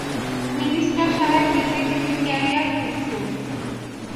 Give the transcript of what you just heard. Minister সাহেব নিজেই tiffin carrier খুলছেন।